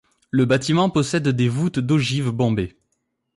Le bâtiment possède des voûte d'ogives bombée.